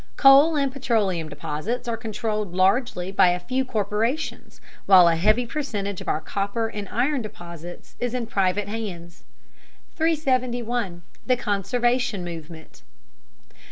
Coal and petroleum deposits are controlled largely by a few corporations, while a heavy percentage of our copper and iron deposits is in private hands. 371. THE CONSERVATION MOVEMENT.